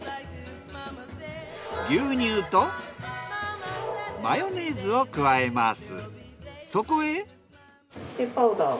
牛乳とマヨネーズを加えます。